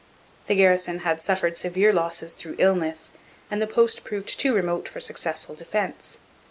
The garrison had suffered severe losses through illness and the post proved too remote for successful defence.